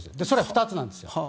それは２つなんです。